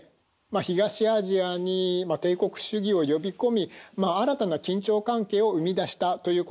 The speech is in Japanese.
まあ東アジアに帝国主義を呼び込み新たな緊張関係を生み出したということも言えるわけです。